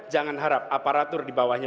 jangan harap aparatur di bawahnya